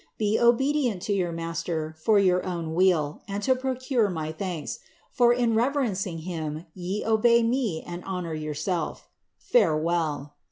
Be obedient to your master for jrour own weal, and to procure my thanks ; for in reverencing him ye obey me and hoDonr yourself. Farewell.